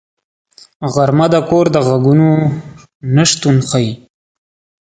غرمه د کور د غږونو نه شتون ښيي